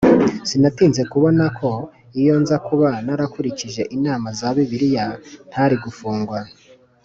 Sinatinze kubona ko iyo nza kuba narakurikije inama za bibiliya ntari gufungwa